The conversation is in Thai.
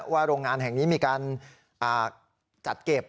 โรงงานแห่งนี้มีการจัดเก็บ